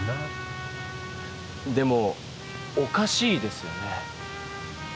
でもおかしいですよね。